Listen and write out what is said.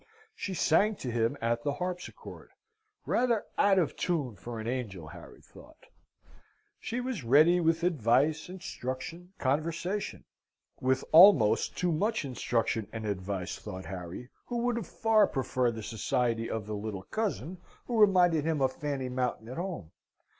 She sang to him at the harpsichord rather out of tune for an angel, Harry thought; she was ready with advice, instruction, conversation with almost too much instruction and advice, thought Harry, who would have far preferred the society of the little cousin who reminded him of Fanny Mountain at home.